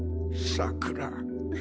さくら。